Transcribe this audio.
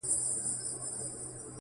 خدای چي و کور ته يو عجيبه منظره راوړې؛